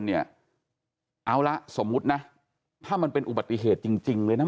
เอาละสมมุตินะถ้ามันเป็นอุบัติเหตุจริงเลยนะ